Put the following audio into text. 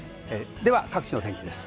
では、各地の天気です。